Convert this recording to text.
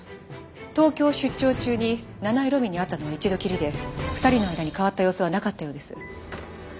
東京出張中に七井路美に会ったのは一度きりで２人の間に変わった様子はなかったようです。